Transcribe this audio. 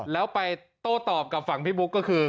แล้วไปโต้ตอบกับฝั่งพี่บุ๊คก็คือ